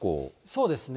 そうですね。